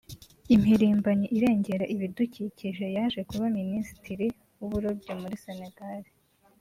impirimbanyi irengera ibidukikije yaje kuba Minisitiri w’uburobyi muri Senegal